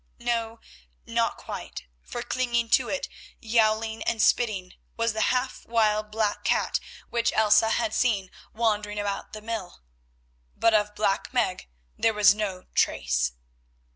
No, not quite, for clinging to it, yowling and spitting, was the half wild black cat which Elsa had seen wandering about the mill. But of Black Meg there was no trace.